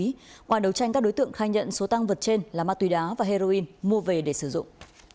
ngoài đấu tranh các đối tượng khai nhận số tăng vật trên là ma túy đá và heroin mua về để sử dụng